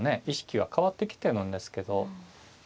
意識は変わってきてるんですけど。